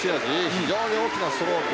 非常に大きなストローク。